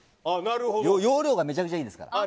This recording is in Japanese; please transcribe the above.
要領がめちゃめちゃいいですから。